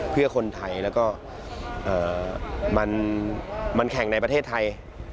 เพื่อคนไทยแล้วก็มันแข่งในประเทศไทย